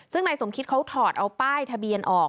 ซึ่งนายสมคิตเขาถอดเอาป้ายทะเบียนออก